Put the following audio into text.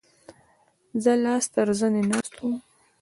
زه لاس تر زنې ناست وم.